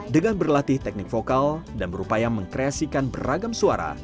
dengan berlatih teknik vokal dan berupaya mengkreasikan beragam suara